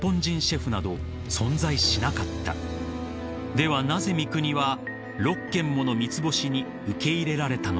［ではなぜ三國は６軒もの三つ星に受け入れられたのか］